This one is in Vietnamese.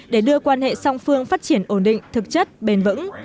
để đưa quan hệ song phương phát triển ổn định thực chất bền vững